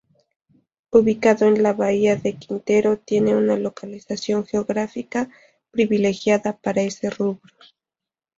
Ubicado en la bahía de Quintero, tiene una localización geográfica privilegiada para ese rubro.